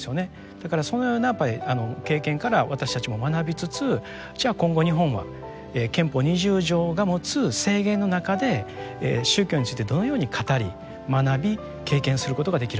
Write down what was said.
だからそのようなやっぱり経験から私たちも学びつつじゃあ今後日本は憲法二十条が持つ制限の中で宗教についてどのように語り学び経験することができるのか。